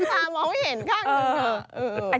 ตามองไม่เห็นข้างหนึ่ง